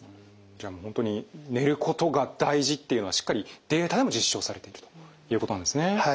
じゃあもう本当に寝ることが大事っていうのはしっかりデータでも実証されているということなんですね。